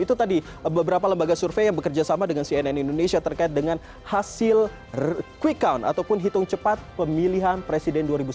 itu tadi beberapa lembaga survei yang bekerja sama dengan cnn indonesia terkait dengan hasil quick count ataupun hitung cepat pemilihan presiden dua ribu sembilan belas